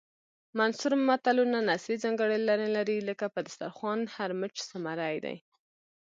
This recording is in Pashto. منثور متلونه نثري ځانګړنې لري لکه په دسترخوان هر مچ زمری دی